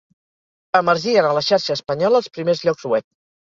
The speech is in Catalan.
Emergien a la xarxa espanyola els primers llocs web.